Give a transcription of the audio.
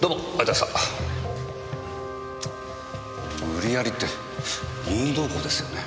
無理やりって任意同行ですよね。